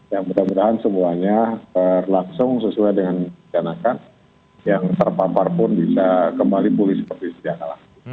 ya mudah mudahan semuanya berlangsung sesuai dengan rencanakan yang terpapar pun bisa kembali pulih seperti sedia kalah